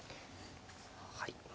はい。